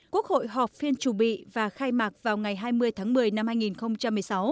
quốc hội họp phiên chủ bị và khai mạc vào ngày hai mươi tháng một mươi năm hai nghìn một mươi sáu